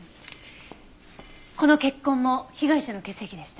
この血痕も被害者の血液でした。